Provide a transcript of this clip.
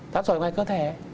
tán sỏi ngoài cơ thể